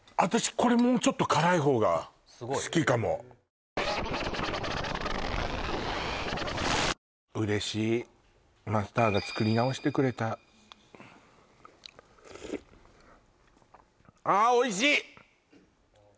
これもうちょっと辛いほうが好きかも嬉しいマスターが作り直してくれたああおいしい！